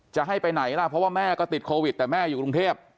จะให้ไปไหนล่ะเพราะว่าแม่ก็ติดโควิดแต่แม่อยู่กรุงเทพ